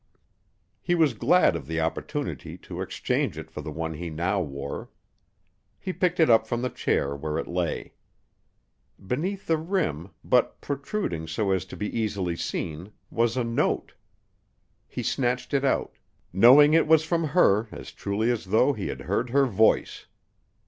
He was glad of the opportunity to exchange for it the one he now wore. He picked it up from the chair where it lay. Beneath the rim, but protruding so as to be easily seen, was a note. He snatched it out, knowing it was from her as truly as though he had heard her voice.